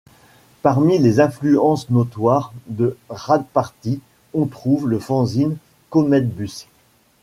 Parmi les influences notoires de Rad Party on trouve le fanzine Cometbus.